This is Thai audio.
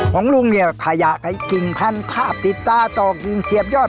ของลุงเนี่ยขยะไอ้กิ่งพันคาบติดตาต่อกิ่งเสียบยอด